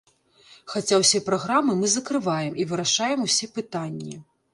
Хаця ўсе праграмы мы закрываем і вырашаем усе пытанні.